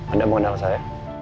anda mengenal saya